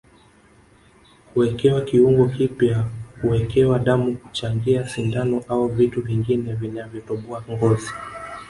Kuwekewa kiungo kipya Kuwekewa damu kuchangia sindano au vitu vingine vinavyotoboa ngozi